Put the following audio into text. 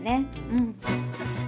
うん。